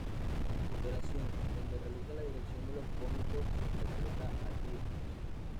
Cooperación, donde realiza la dirección de los cómicos e interpreta a Laertes.